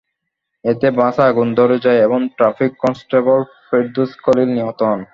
এতে বাসে আগুন ধরে যায় এবং ট্রাফিক কনস্টেবল ফেরদৌস খলিল নিহত হন।